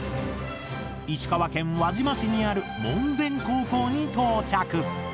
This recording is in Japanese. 石川県輪島市にある門前高校に到着。